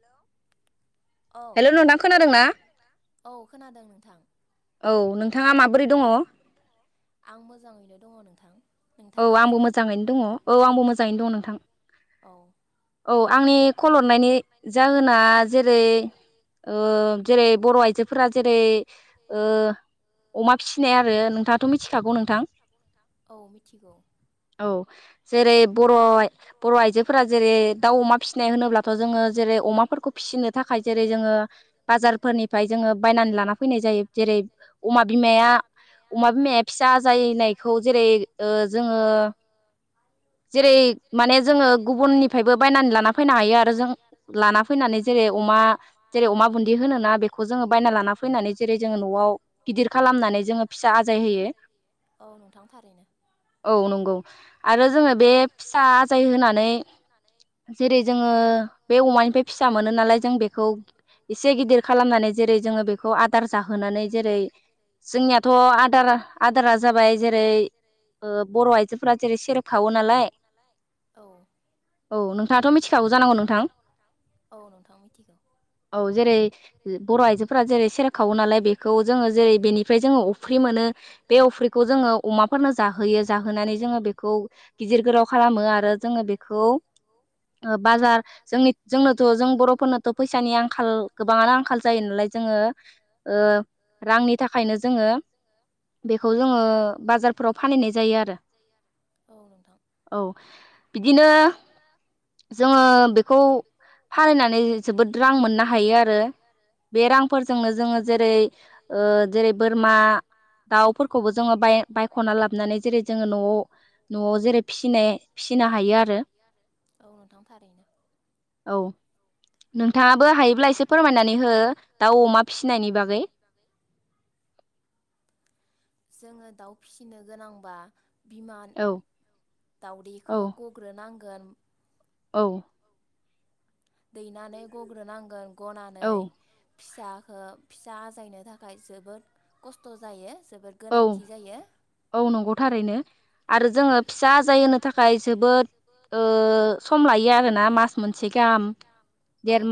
Hello. Hello नोंथां खोनादोंना औ नों थाङा माबोरै आं मोजाङैनो दङ नोंथां। औ आंबो मोजाङैनो दङ औ आंबो मोजां मोजाङैनो दं नोंथां। औ आंनि खल हरनायनि जाहोना जेरै ओ जेरै बर' आय जोफोरा जेरै ओ अमा फिसिनाय आरो नोंथाङाथ' मिथिखागौ नोंथां। औ। जेरै बर' बर' आइजोफोरा जेरै दाउ अमा फिसिनाय होनोब्लाथ' जोङो जेरै अमाफोरखौ फिसिनो थाखाय जेरै जोङो बाजारफोरनिफ्राय जोङो बायनानै लाना फैनाय जायो जेरै अमा बिमाया अमा बिमाया फिसा आजायनायखौ जेरै जोङो जेरै माने जोङो गुबुननिफ्रायबो बायनानै लाना फैनो हायो आरो जों लाना फैनानै जेरै अमा जेरै अमा बुनदि होनोना बेखौ जोङो बायना लाना फैनानै जेरै जोङो नआव गिदिर खालामनानै जोङो फिसा आजाय होयो। औ नंगौ आरो जोङो बे फिसा आजाय होनानै जेरै जोङो बे अमानिफ्राय फिसा मोनो नालाय जों बेखौ एसे गिदिर खालामनानै जेरै जोङो बेखौ आदार जाहोनानै जेरै जोंनियाथ' आदार आदारा जाबाय जेरै ओ बर' आइजोफोरा जेरै सेरेब खावो नालाय औ नोंथाङाथ' मिथिखागौ जानांगौ नोंथां? औ जेरै बर' आइजोफोरा जेरै सेरेब खावो नालाय बेखौ जोङो जेरै बेनिफाय जोङो अफ्रि मोनो बे अफ्रिखौ जोङो अमाफोरनो होयो जाहोनानै जोङो बेखौ गिदिर गोलाव खालामो आरो जोङो बेखौ ओ बाजार जोंनि जोंनोथ' जों बरफोरनोथ' फैसानि आंखाल गोबाङानो आंखाल जायो नालाय जोङो ओ रांनि थाखायनो जोङो बेखौ जोङो बाजार फानैनाय जायो आरो औ बिदिनो जों बेखौ फानैनानै जोबोद रां मोननो हायो आरो बे रांफोरजोंनो जोङो जेरै ओ जेरै बोरमा दाउफोरखौबो जोङो बाय-बाय खना लाबनै जेरै जोङो न'आव न'आव जेरै फिसिनाय फिसिनो हायो आरो थारैनो नोंथाङाबो हायोब्ला एसे फोरमायनानै हो दाउ अमा फिसिनायनि बागै फिसिनो गोनांबा बिमा दावदैखो गग्रोनां गोन औ दैनानै गग्रोनांगोन गनानै फिसाखो फिसा आजायनो थाखाय जोबोद कस्ट' जायो औ औ नंगौ थारैनो आरो जोङो फिसा आजाय होनो थाखाय जोबोद ओ सम लायो आरोना मा मोनसे गाहाम देर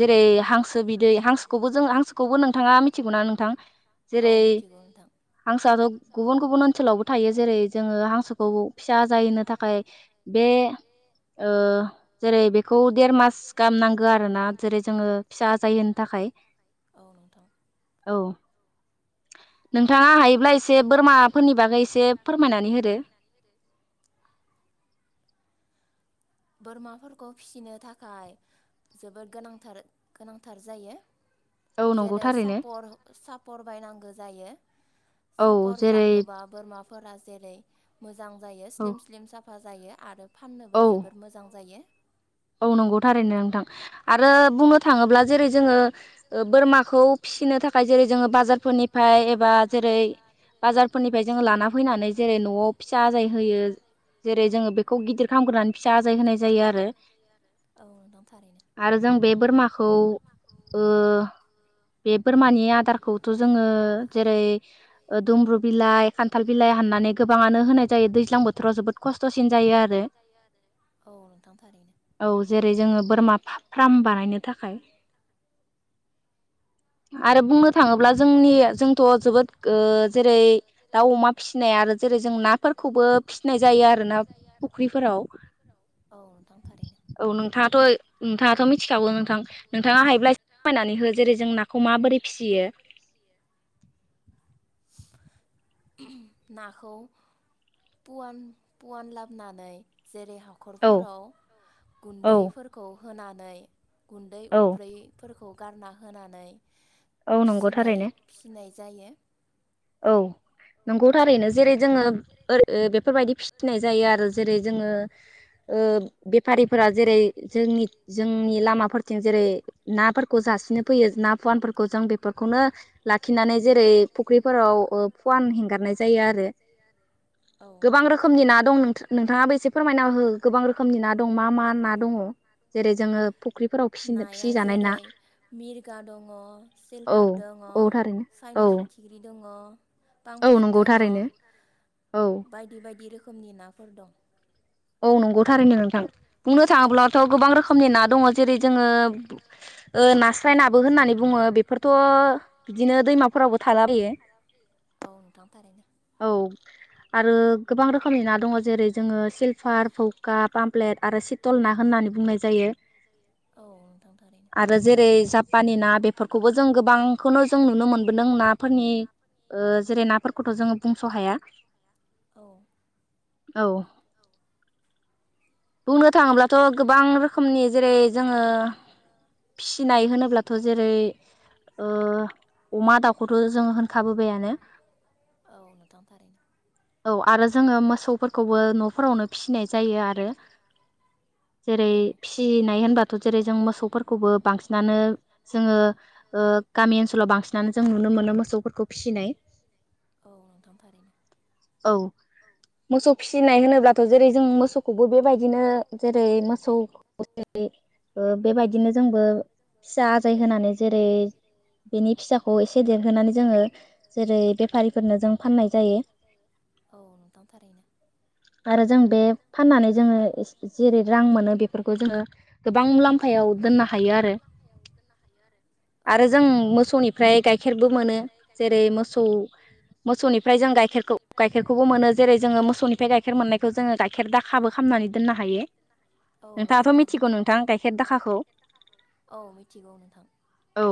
जेरै हांसो बिदै हांसोखौबो जों हांसोखौबो नोंथाङा मिथिगौना नोंथां जेरै हांसोआथ' गुबुन गुबुन ओनसोलावबो थायो जेरै जोङो हांसोखौ फिसा आजायहोनो थाखाय बे ओ जेरै बेखौ देर मास गाहाम नांगो आरोना जेरै जोङो फिसा आजाय होनो थाखाय औ थाङा हायोब्ला एसे बोरमाफोरनि बागै एसे फोरमायनानै होदो बोरमाफोरखौ फिसिनो थाखाय जोबोद गोनांथार गोनांथार जायो। जेरै सापर सापर बायनांगो जायो सापर जाहोबा बोरमा फोरा जेरै मो जां जायो स्लिम स्लिम साफ फा जायो आरो फाननोबो जोब जां जायो औ नंगौ थारैनो नोंथां आ आरो बुंनो थाङोब्ला जेरै जोङो ओ बोरमाखौ फिसिनो थाखाय जेरै जोङो बाजार फोरनिफाय एबा जेरै बाजारफोरनिफाय जोङो लाना फैनानै जेरै न'आव फिसा आजाय होयो जेरै जों बे खौ गिदिर खामगोरनानै फिसा आजाय होनाय जायो आरो आरो जों बे बोरमाखौ ओ बे बोरमानि आदारखौथ' जोङो जेरै ओ दुमब्रु बिलाइ खान्थाल बिलाइ हाननानै गोबाङानो होनाय जायो दैज्लां बोथोराव जोबोद खस्थ'सिन जायो आरो औ नोंथां औ जेरै जोङो बोरमा फा फ्राम बानायनो थाखाय आरो बुंनो थाङोब्ला जोंनि जोंथ' जोबोद जेरै ओ दाउ अमा फिसिनाय आरो जेरै जों नाफोरखौबो फिसिनाय जायो आरोना फुख्रिफोराव औ नोंथाङाथ' नोंथाङाथ' मिथिखागौ नोंथां नोंथाङा हायोब्ला एसे फोरमायनानै हो जेरै जों नाखौ माबोरै फिसियो बे नाखौ पुवान पुवान लाबोनानै जेरै हाखरफोराव गुन्दैफोरखौ होनानै गुन्दै उफ्रै फोरखौ गारना होनानै फिसिनाय फिसिनाय जायो औ नंगौ थारैनो जेरै जोङो ओरै ओ बेफोरबायदि फिसिनाय जायो आरो जेरै जोङो ओ बेफारिफोरा जेरै जोंनि जोंनि लामाफोर जेरै नाफोरखौ जासिनो फैयो ना फुवानफोरखौ जों बेफोरखौनो ला खिनानै जेरै फुख्रि फोराव फुवान हेंगारनाय जायो आरो गोबां रोखोमनि ना दं नों नोंथाङाबो एसे फोरमायना हो गोबां रोखोमनि ना दं मा मा ना दङ जेरै जोङो फुख्रिफोराव फिसि-फिसिजानाय ना औ औ थारै चाइनिस फिथिख्रि दङ पांप्लेट दङ बायदि बायदि रोखोम रोखोमनि नाफोर दं औ नंगौ थारैनो नोंथां बुंनो थाङोब्लाथ' गोबां रोखोमनि ना दङ जेरै जोङो ओ नास्राय नाबो होननानै बुङो बेफोरथ' बिदिनो दैमाफोरावबो थाला बायो औ आरो गोबां रोखोमनि ना दङ जेरै जोङो सिल फार फौखा पामप्लेट आरो सितल ना होननानै बुंनाय जायो आरो जेरै जापानि ना बेफोरखौबो जों गोबांखौनो जों नुनो मोनबोदों नाफोरनि जेरै नाफोरखौथ' जोंङो बुंस' हाया औ बुंनो थाङोब्लाथ' गोबां रोखोमनि जेरै जोङो फिसिनाय होनोब्लाथ' जेरै ओ अमा दाउखौथ' जों होनखाबोबायानो ओ आरो। जोङो मोसौफोरखौबो न'फोरावनो फिनाय जायो आरो जेरै फिसिनाय होनबाथ' जेरै जों मोसौफोरखौबो बांसिनानो जोङो ओ गामि ओनसोलाव बांसिनानो जों नुनो मोनो मोसौफोरखौ फिसिनाय औ। मोसौ फिसिनाय होनोब्ला जेरै जों मोसौखौबो बेबायदिनो जेरै मोसौ बेबायदिनो जोंबो फिसा आजाय होनोनानै जेरै बेनि फिसाखौ एसे देरहोनानै जोङो जेरै बेफारिफोरनो जों फाननाय जायो। आरो जों बे फाननानै जोङो जेरै रां मोनो बेफोरखौ जोङो गोबां मुलाम्फायाव दोननो हायो आरो आरो जों मोसौनिफ्राय गाइखेरबो मोनो जेरै मोसौ मोसौनिफ्राय जों गाइेरखौ गाइखेरखौबो मोनो जेरै जोङो मोसौनिफ्राय गाइ बेखौ जोङो गाइखेर दाखाबो खालामनानै दोननो हायो नोंथाङाथ' मिथिगौ नोंथां गाइखेर दाखाखौ औ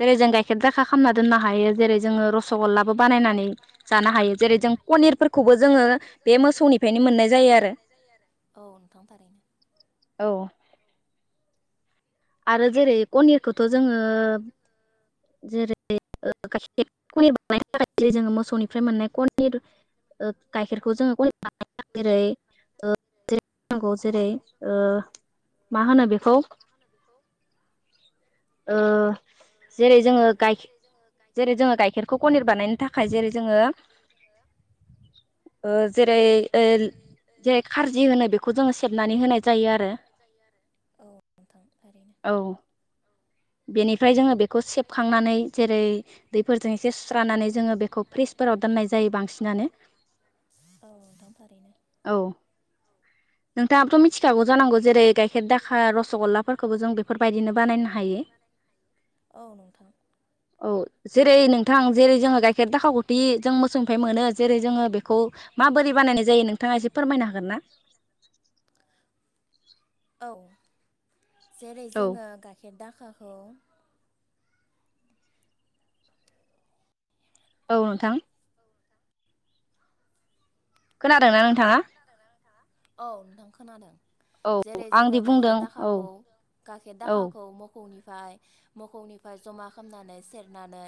जेरै जों गाइखेर दाखा खामना दोननो हायो जेरै जोङो रस'गल्लाबो बानायनानै जानो हायो जेरै जों पनिरफोरखौबो जोङो। बे मोसौनिफ्रायनो मोननाय जायो आरो औ आरो जेरै कनिरखौथ' जोङो जेरै ओ गाखिर खनिर बानायनो थाखाय जोङो मोसौनिफ्राय मोननाय कनिर ओ गाइखेरखौ जोङो खनिर बानायनो नागिरसै ओ जेरै नांगौ जेरै ओ मा होनो बेखौ ओ जेरै जोङो जेरै जोङो गाइखेरखौ पनिर बानायनो थाखाय जेरै जोङो जेरै जे जेरै खारजि होनो बेखौ जोङो सेबनानै होनाय जायो आरो औ बेनि ओमफ्राय जोङो बेखौ सेबखांनानै जेरै दैफोरजों एसे सुस्रानानै जोङो बेखौ फ्रिजफोराव दोननाय जायो बांसिनानो औ। नोंथाङाथ' मिथ थिखागौ जानांगौ जेरै गाइखेर दाखा रस'गललाफोरखौबो जों बेफोरबायदिनो बानायना हायो औ। जेरै नोंथां जेरै जोङो गाइखेर दाखावखौथि जों मोसौनिफ्राय मोनो जेरै जोङो बेखौ माबोरै बानायनाय जायो नोंथाङा एसे फोरमायनो हागोन ना? औ जेरै जोङो गाइखेर दाख खाखौ औ नोंथां खोनादोंना नोंथाङा? औ नोंथां खोनादों। जेरै जोङो गाखेर दाखाखौ गाखेर दाखाखौ मोखौनि फ्राय मोखौनिफ्राय जमा खालामनानै सेरनानै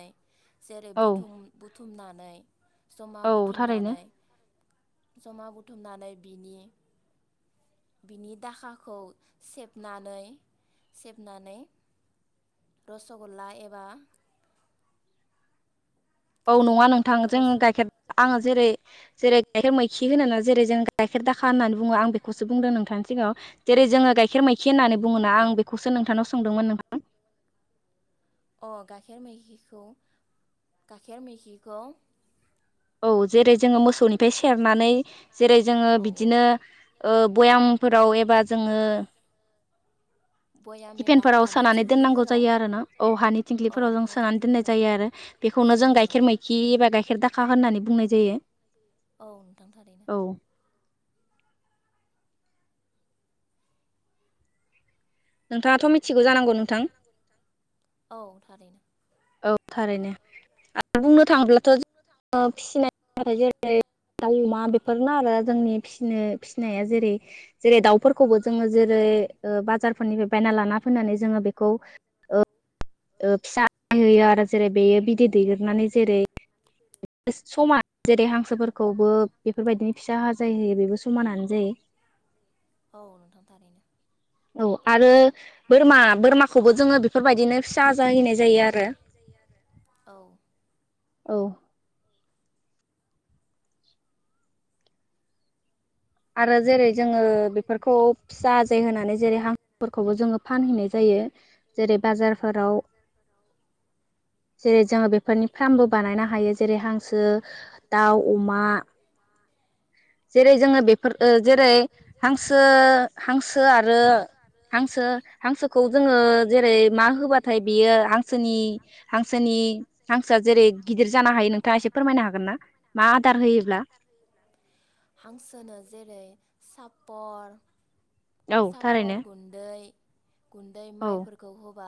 जेरै बुथुम बु थुमनानै जमा बुथुमनानै जमा बुथुमनानै बिनि बिनि दाखाखौ सेबनानै सेबनानै रस'गलल्ला एबा औ नङा नोंथां जों गाइखेर आङो जेरै जेरै गाइखेर मैखि होनोना जेरै जों गाइखेर दाखा होननानै बुङो आं बेखौसो बुंदों नोंथांनि सिगाङाव जेरै जोङो गाइखेर मैखि होननानै बुङोना आं बेखौसो नोंथांनाव सोंदोंमोन नोंथां। अ गाइखेर मैखिखौ गाइखेर मैखिखौ औ। जेरै जोङो मोसौनिफ्राय सेरनानै जेरै जोङो बिदिनो ओ बयामफोराव एबा जोङो टिफेनफोराव सोनानै दोननांगौ जायो आरो ना। औ हानि थिंग्लिफोराव जों सोनानै दोननाय जायो आरो बेखौनो जों गाइखेर मैखि एबा गाइखेर दाखा होननानै बुंनाय जायो। औ नोंथां थारैनो। नोंथाङाथ' मिथ थिगौ जानांगौ नोंथां। औ थारैनो आरो बुंनो थाङोब्ला थ' जोङो फिसिनाय जेरै दाउ अमा बेफोरनो आरो जोंनि फिस सिनो फिसिनाया जेरै जेरै दाउ फोरखौबो जोङो जेरै ओ बाजारफोरनिफ्राय बायना लाना फैनानै जोङो बेखौ ओ ओ फिसा होयो आरो जेरै बेयो बिदै दैग्रोनानै जेरै समान जेरै हांसोफोरखौबो बेफोरबायदिनो फिसा आजाय होयो बेबो समानानो जायो। औ नोंथां थारैनो। औ आरो बोरमा बोरमाखौबो जोङो बेफोरबायदिनो फिसा आजायहोनाय जायो आरो। औ। आरो जेरै जोङो बेफोरखौ फिसा आजाय होनानै जेरै हांसोफोरखौबो जोङो फानहैनाय जायो जेरै बाजारफोराव जेरै जोङो बेफोरनि फ्रामबो बानायनो हायो जेरै हांसो दाउ अमा जेरै जोङो बे [unintelligible] जेरै हांसो हांसो आरो हांसो हांसोखौ जोङो जेरै मा होबाथाय बियो हांसोनि हांसोनि हांसोआ जेरै गिदिर जानो हायो नोंथाङा एसे फोरमायनो हागोन ना? मा आदार होयोब्ला जेरै सापर सापर गुन्दै। गुन्दै माइफोरखौ होबा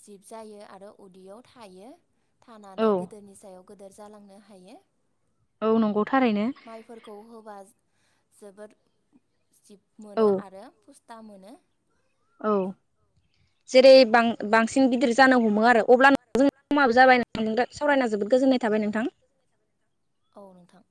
जिब जायो आरो उदैयाव थायो। थानानै गोदोनि सायाव गोदोर जालांनो हायो। औ नंगौ थारैनो जोबोर जिब मोनो आरो फुस दाम‌ मोनो। औ जेरै बां बांसिन गिदिर जानो हमो आरो अब्ला नों जों समाबो जाबाय सावरायना जोबोद गोजोननाय थाबाय नोंथां। औ नोंथां।